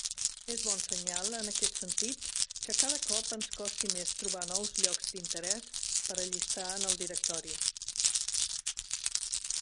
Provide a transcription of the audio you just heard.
És bon senyal, en aquest sentit, que cada cop ens costi més trobar nous llocs d'interès per a llistar en el directori.